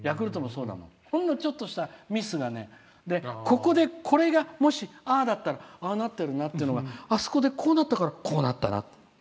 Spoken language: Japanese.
ほんのちょっとしたミスがこれが、もしああだったらああなってるなっていうのがあそこで、こうなったからこうなったなって。